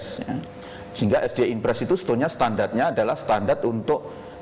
sehingga sd impress itu sebetulnya standarnya adalah standar untuk